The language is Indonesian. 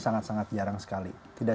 sangat sangat jarang sekali